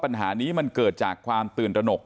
ปัญหานี้มันเกิดจากความตื่นตระหนก